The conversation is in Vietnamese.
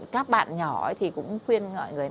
các bạn nhỏ thì cũng khuyên